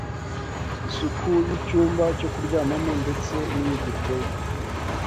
isuku y’icyumba cyo kuryamamo ndetse n’iy’igikoni